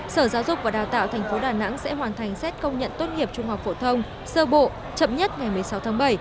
sở giáo dục và đào tạo tp đà nẵng sẽ hoàn thành xét công nhận tốt nghiệp trung học phổ thông sơ bộ chậm nhất ngày một mươi sáu tháng bảy